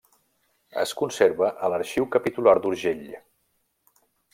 Es conserva a l'Arxiu Capitular d'Urgell.